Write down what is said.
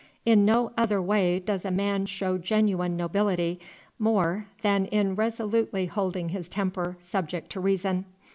In no other way does a man show genuine nobility more than in resolutely holding his temper subject to reason.